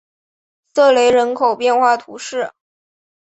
瑟雷人口变化图示